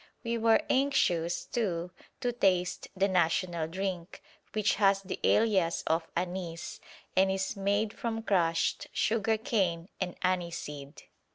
We were anxious, too, to taste the national drink, which has the alias of "anise" and is made from crushed sugar cane and aniseed.